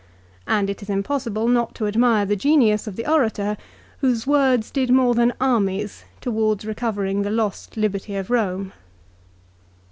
And it is impossible not to admire the genius of the orator whose words did more than armies towards recovering the lost liberty of Home."